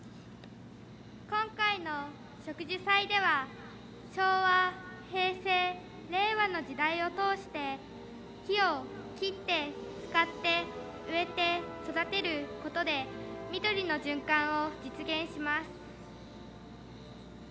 今回の植樹祭では昭和、平成、令和の時代を通して「木を伐って、使って、植えて、育てる」ことで緑の循環を実現します。